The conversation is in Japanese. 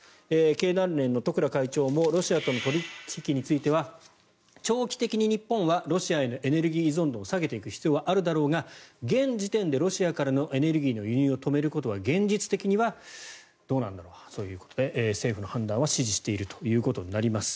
経団連の十倉会長もロシアとの取引については長期的に日本はロシアへのエネルギー依存度を下げていく必要はあるだろうが現時点でロシアからのエネルギーの輸入を止めることは現実的にはどうなんだろうということで政府の判断を支持しているということになります。